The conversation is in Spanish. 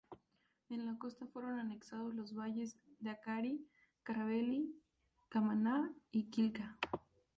En la costa fueron anexados los valles de Acarí, Caravelí, Camaná y Quilca.